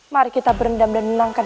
mari kita berendam dan menangkan